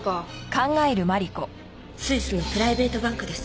スイスのプライベートバンクです。